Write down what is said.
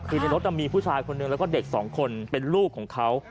คือในรถมีผู้ชายคนหนึ่งแล้วก็เด็กสองคนเป็นลูกของเขา